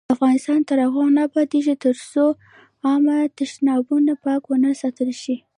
افغانستان تر هغو نه ابادیږي، ترڅو عامه تشنابونه پاک ونه ساتل شي.